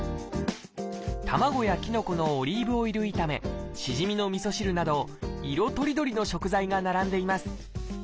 卵やキノコのオリーブオイル炒めしじみのみそ汁など色とりどりの食材が並んでいます。